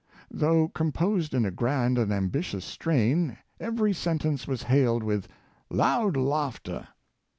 Though composed in a grand and ambitious strain, every sen tence was hailed with " loud laughter."